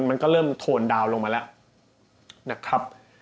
มันก็เริ่มทูลดาวลงมาและ